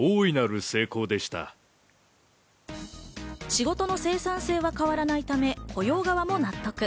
仕事の生産性は変わらないため、雇用側も納得。